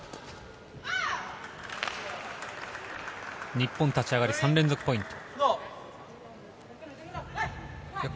日本、立ち上がり３連続ポイント。